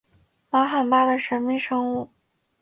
玛罕巴的神秘生物。